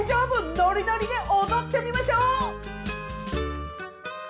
ノリノリで踊ってみましょう！